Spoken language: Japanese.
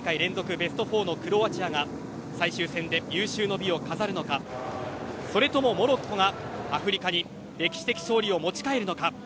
ベスト４のクロアチアが最終戦で有終の美を飾るのかそれともモロッコがアフリカに歴史的勝利を持ち帰るのか。